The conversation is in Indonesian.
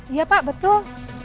iya pak betul